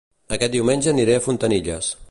Aquest diumenge aniré a Fontanilles